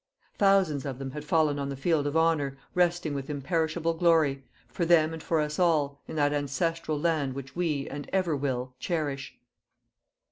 Thousands of them had fallen on the field of honour, resting with imperishable glory, for them and for us all, in that ancestral land which we, and ever will, cherish.